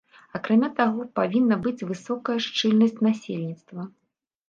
Акрамя таго, павінна быць высокая шчыльнасць насельніцтва.